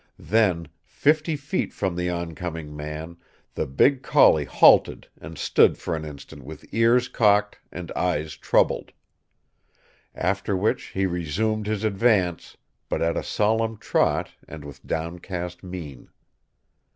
Then fifty feet from the oncoming man the big collie halted and stood for an instant with ears cocked and eyes troubled. After which he resumed his advance; but at a solemn trot and with downcast mien.